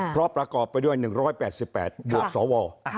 เพราะประกอบไปด้วย๑๘๘บวกสว